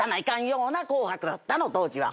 ような『紅白』だったの当時は。